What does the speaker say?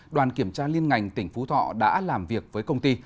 đoàn kiểm tra liên ngành tỉnh phú thọ đã làm việc với công ty